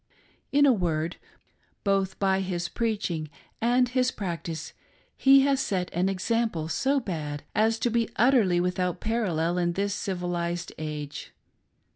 In a word — both by his preaching and his" practice he has set an example so bad as to be utterly without parallel in this civilised age.